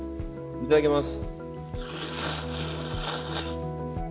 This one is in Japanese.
いただきます。